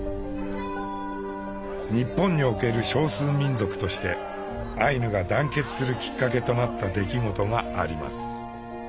日本における少数民族としてアイヌが団結するきっかけとなった出来事があります。